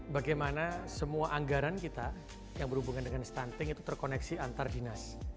bagaimana semua anggaran kita yang berhubungan dengan stunting itu terkoneksi antar dinas